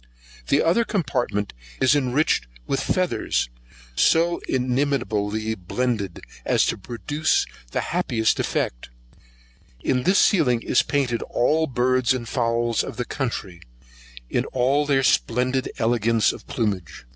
The other copartment is enriched with feathers and so inimitably blended as to produce the happiest effect. In this ceiling is painted all the birds and fowls of the country, in all their splendid elegance of plumage.